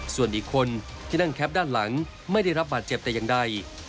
ส่วนอีกคนที่นั่งแคปด้านหลังไม่ได้รับบาดเจ็บแต่อย่างใด